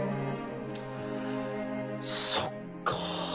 そっか